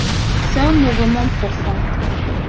C’est un mouvement profond.